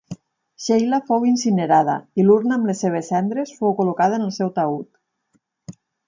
Sheila fou incinerada, i l'urna amb les seves cendres fou col·locada en el seu taüt.